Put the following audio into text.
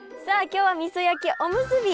今日はみそ焼きおむすび。